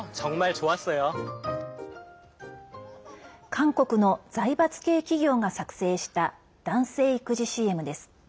韓国の財閥系企業が作成した男性育児ＣＭです。